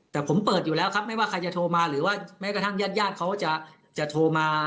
แต่ผมเปิดอยู่แล้วครับไม่ว่าใครจะโทรมาหรือว่าแยดเขาจะโทรมา